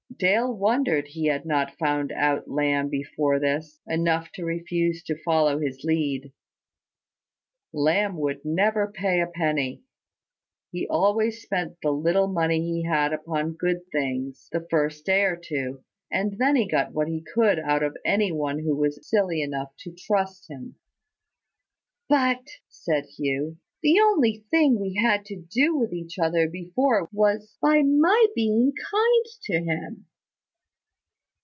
Dale wondered he had not found out Lamb before this, enough to refuse to follow his lead. Lamb would never pay a penny. He always spent the little money he had upon good things, the first day or two; and then he got what he could out of any one who was silly enough to trust him. "But," said Hugh, "the only thing we had to do with each other before was by my being kind to him."